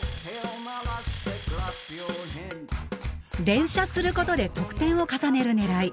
連射することで得点を重ねる狙い。